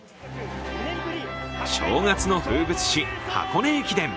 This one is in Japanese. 正月の風物詩、箱根駅伝。